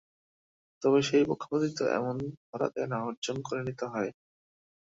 তবে সেই পক্ষপাতিত্ব এমনি ধরা দেয় না, অর্জন করে নিতে হয়।